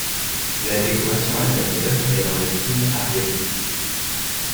La décoration intérieure est dans le style art deco.